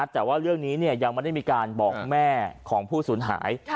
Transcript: แต่ว่าเรื่องนี้ยังไม่ได้มีการบอกแม่ของผู้สูญหาย